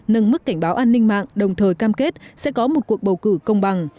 nâng mức cảnh báo an ninh mạng đồng thời cam kết sẽ có một cuộc bầu cử công bằng